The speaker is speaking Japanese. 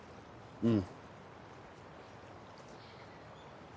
うん？